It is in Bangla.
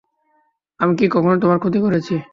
আমি কি কখনো তোমার ক্ষতি করেছি?